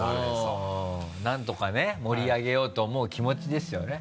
うん何とかね盛り上げようと思う気持ちですよね。